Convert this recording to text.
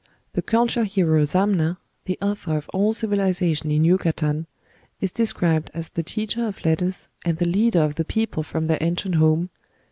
The culture hero Zamna, the author of all civilization in Yucatan, is described as the teacher of letters, and the leader of the people from their ancient home....